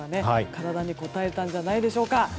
体にこたえたんじゃないでしょうか。